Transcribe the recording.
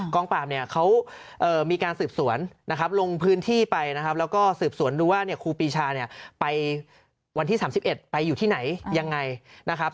งปราบเนี่ยเขามีการสืบสวนนะครับลงพื้นที่ไปนะครับแล้วก็สืบสวนดูว่าเนี่ยครูปีชาเนี่ยไปวันที่๓๑ไปอยู่ที่ไหนยังไงนะครับ